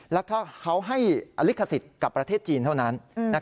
แล้วก็เขาให้อลิขสิทธิ์กับประเทศจีนเท่านั้น